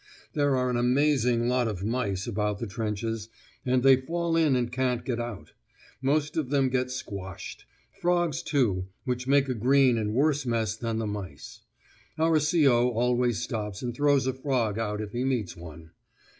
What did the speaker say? There are an amazing lot of mice about the trenches, and they fall in and can't get out. Most of them get squashed. Frogs too, which make a green and worse mess than the mice. Our C.O. always stops and throws a frog out if he meets one.